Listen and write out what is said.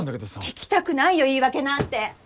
聞きたくないよ言い訳なんて！